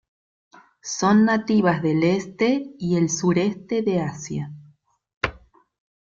Son nativas del este y el sureste de Asia.